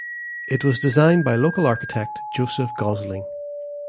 It was designed by local architect Joseph Gosling.